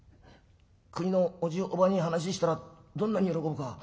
国のおじおばに話したらどんなに喜ぶか。